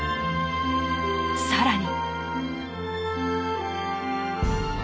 更に。